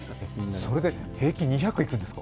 それで平均２００いくんですか？